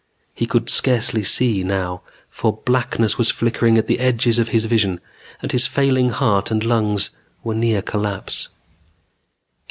He could scarcely see now, for blackness was flickering at the edges of his vision and his failing heart and lungs were near collapse.